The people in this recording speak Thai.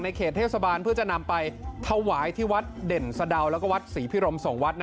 เขตเทศบาลเพื่อจะนำไปถวายที่วัดเด่นสะดาวแล้วก็วัดศรีพิรม๒วัด